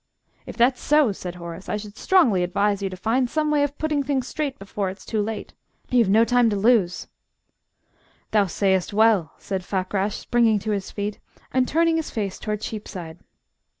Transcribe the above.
"If that's so," said Horace, "I should strongly advise you to find some way of putting things straight before it's too late you've no time to lose." "Thou sayest well," said Fakrash, springing to his feet, and turning his face towards Cheapside.